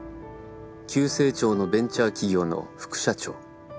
急成長のベンチャー企業の副社長。